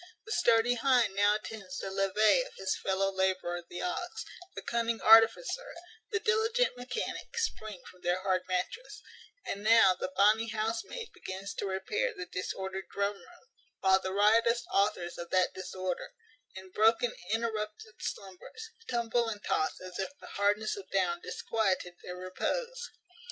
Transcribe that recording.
The sturdy hind now attends the levee of his fellow labourer the ox; the cunning artificer, the diligent mechanic, spring from their hard mattress; and now the bonny housemaid begins to repair the disordered drum room, while the riotous authors of that disorder, in broken interrupted slumbers, tumble and toss, as if the hardness of down disquieted their repose.